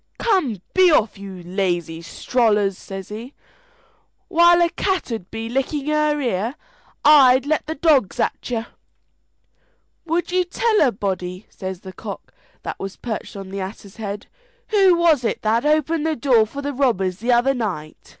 "Come, be off, you lazy strollers!" says he, "while a cat 'ud be licking her ear, or I'll let the dogs at you." "Would you tell a body," says the cock that was perched on the ass's head, "who was it that opened the door for the robbers the other night?"